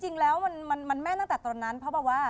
จริงแล้วมันแม่นตั้งแต่ตอนนั้นเพราะแบบว่า